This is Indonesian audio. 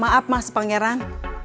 maaf mas pangeran